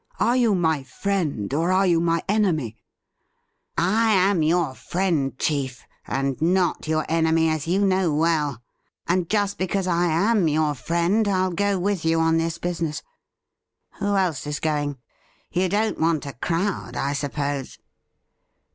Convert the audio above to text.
Are you my friend, or are you my enemy ?'' I am your friend, chief, and not your enemy, as you know well ; and just because I am yoiu friend I'll go with you on this business. Who else is going ? You don't want a crowd, I suppose